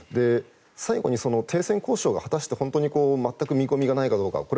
最後に停戦交渉が果たして本当に全く見込みがないかどうか。